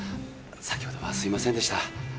先ほどはすみませんでした。